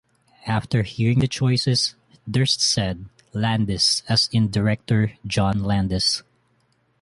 After hearing the choices, Durst said "Landis," as in director John Landis.